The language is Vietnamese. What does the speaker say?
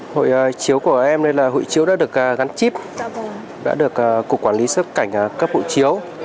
hội chiếu của em đây là hội chiếu đã được gắn chip đã được cục quản lý xuất cảnh cấp hộ chiếu